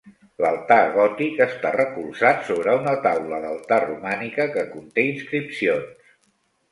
L'altar gòtic està recolzat sobre una taula d’altar romànica que conté inscripcions.